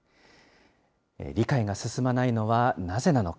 理解が進まないのはなぜなのか。